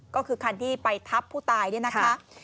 ก็คือคันที่ไปทับผู้ตายเนี่ยนะคะ